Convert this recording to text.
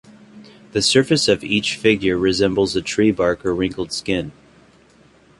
The surface of each figure resembles a tree bark or wrinkled skin.